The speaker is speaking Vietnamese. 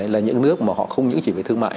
là những nước mà họ không những chỉ về thương mại